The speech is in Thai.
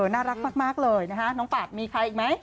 น่ารักมากเลยนะฮะน้องปากมีใครอีกไหม